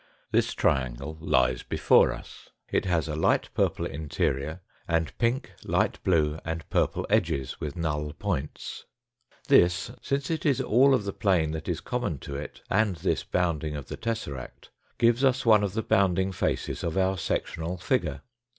This triangle lies before us. It has a light purple interior and pink, light blue, and purple edges with null points. This, since it is all of the plane that is common to it, and this bounding of the tesseract, gives us one of the bounding faces of our sec tional figure.